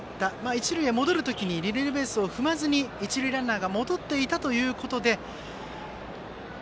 一塁へ戻る時に二塁ベースを踏まずに一塁ランナーが戻っていたということで。